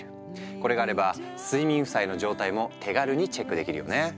これがあれば睡眠負債の状態も手軽にチェックできるよね。